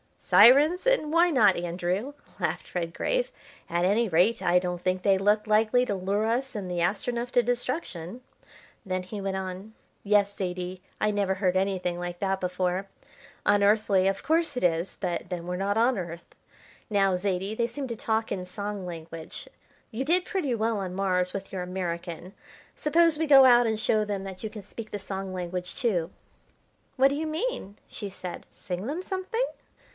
"Syrens and why not, Andrew?" laughed Redgrave. "At any rate, I don't think they look likely to lure us and the Astronef to destruction." Then he went on: "Yes, Zaidie, I never heard anything like that before. Unearthly, of course it is, but then we're not on Earth. Now, Zaidie, they seem to talk in song language. You did pretty well on Mars with your American, suppose we go out and show them that you can speak the song language, too." "What do you mean?" she said; "sing them something?"